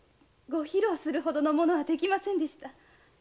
ご披露するほどのものはできませんでした。